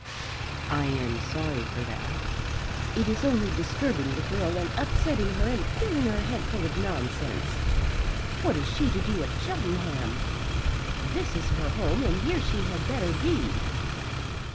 "I am sorry for that." "It is only disturbing the girl, and upsetting her, and filling her head full of nonsense. What is she to do at Cheltenham? This is her home and here she had better be."